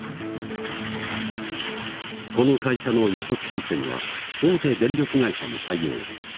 この会社の予測システムは大手電力会社も採用。